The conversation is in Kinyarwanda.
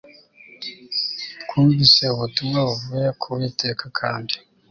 twumvise ubutumwa buvuye ku uwiteka kandi